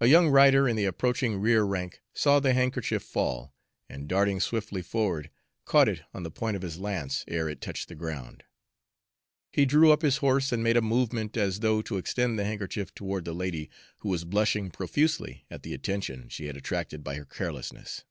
A young rider in the approaching rear rank saw the handkerchief fall, and darting swiftly forward, caught it on the point of his lance ere it touched the ground. He drew up his horse and made a movement as though to extend the handkerchief toward the lady, who was blushing profusely at the attention she had attracted by her carelessness.